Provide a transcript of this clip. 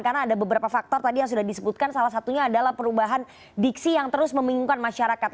karena ada beberapa faktor tadi yang sudah disebutkan salah satunya adalah perubahan diksi yang terus membingungkan masyarakat